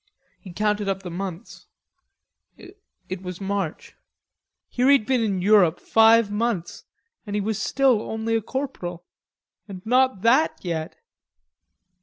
He counted up the months. It was March. Here he'd been in Europe five months and he was still only a corporal, and not that yet.